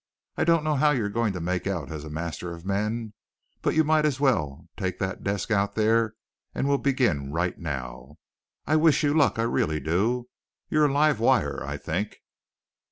I don't know how you're going to make out as a master of men, but you might as well take that desk out there and we'll begin right now. I wish you luck. I really do. You're a live wire, I think."